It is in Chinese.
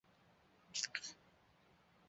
三条线路到了市区共享同一段主干线路。